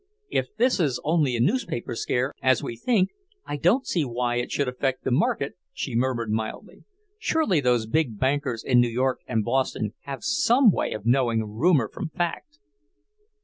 "If this is only a newspaper scare, as we think, I don't see why it should affect the market," she murmured mildly. "Surely those big bankers in New York and Boston have some way of knowing rumour from fact."